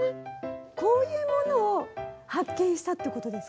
こういうものを発見したってことですか？